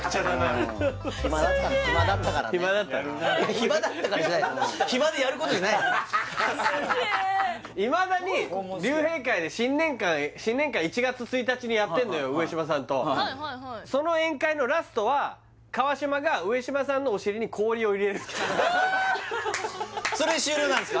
「暇だったから」じゃないいまだに竜兵会で新年会１月１日にやってんのよ上島さんとその宴会のラストは川島が上島さんのおしりに氷を入れるそれで終了なんですか？